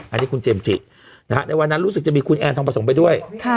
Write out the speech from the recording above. อันนี้คุณเจมส์จิในวันนั้นรู้สึกจะมีคุณแอนทองประสงค์ไปด้วย